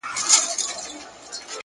عاجزي د اړیکو ښکلا ده